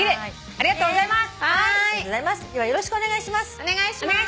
ありがとうございます。